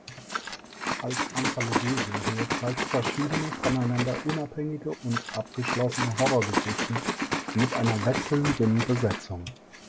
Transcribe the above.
Als Anthologieserie zeigt verschiedene voneinander unabhängige und abgeschlossene Horrorgeschichten mit einer wechselnden Besetzung.